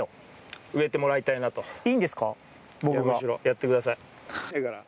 むしろやってください。